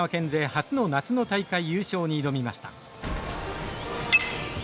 初の夏の大会優勝に挑みました。